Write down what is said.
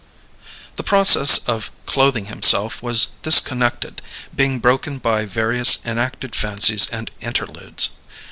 The process of clothing himself was disconnected, being broken by various enacted fancies and interludes.